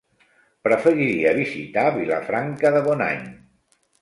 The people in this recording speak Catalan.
Preferiria visitar Vilafranca de Bonany.